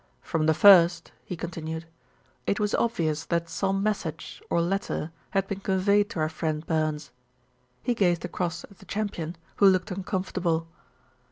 "From the first," he continued, "it was obvious that some message, or letter, had been conveyed to our friend Burns." He gazed across at the champion, who looked uncomfortable.